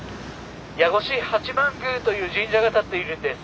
矢越八幡宮という神社が立っているんです。